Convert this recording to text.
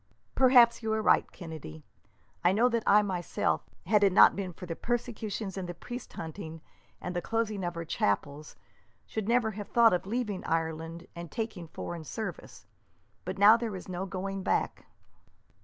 "Perhaps you are right, Kennedy. I know that I myself, had it not been for the persecutions and the priest hunting, and the closing of our chapels, should never have thought of leaving Ireland and taking foreign service. But now there is no going back."